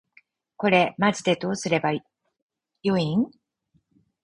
これマジでどうすれば良いん？